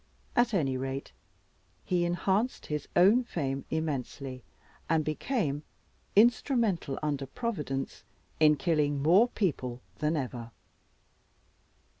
At any rate, he enhanced his own fame immensely, and became "instrumental under Providence" in killing more people than ever.